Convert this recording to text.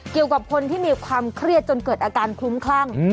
เกี่ยวกับคนที่มีความเครียดจนเกิดอาการคลุ้มคลั่ง